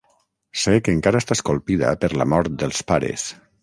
Sé que encara estàs colpida per la mort dels pares.